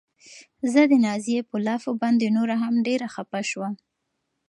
زه د نازيې په لافو باندې نوره هم ډېره خپه شوم.